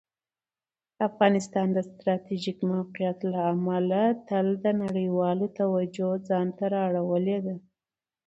افغانستان د ستراتیژیک موقعیت له امله تل د نړیوالو توجه ځان ته اړولي ده.